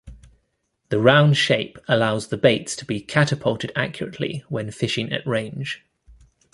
The round shape allows the baits to be catapulted accurately when fishing at range.